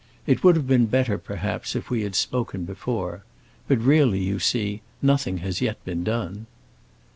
It would have been better, perhaps, if we had spoken before. But really, you see, nothing has yet been done."